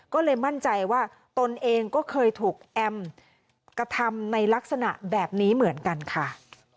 ก็เลยมั่นใจว่าตนเองก็เคยถูกแอมกระทำในลักษณะแบบนี้เหมือนกันค่ะ